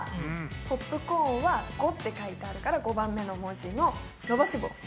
ポップコーンは⑤って書いてあるから５番目の文字の伸ばし棒。